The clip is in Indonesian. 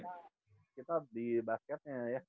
kita di basketnya ya